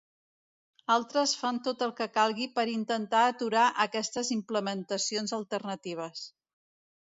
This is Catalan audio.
Altres fan tot el que calgui per intentar aturar aquestes implementacions alternatives.